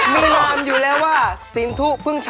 มีนามอยู่แล้วว่าสินทุศเท่านั้น